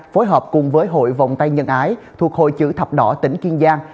phối hợp cùng với hội vòng tay nhân ái thuộc hội chữ thập đỏ tỉnh kiên giang